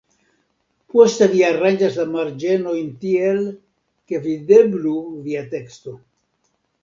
Poste vi aranĝas la marĝenojn tiel, ke videblu via teksto.